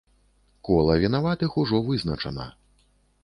Кола вінаватых ужо вызначана.